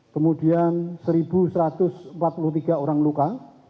kemudian satu satu ratus empat puluh tiga orang luka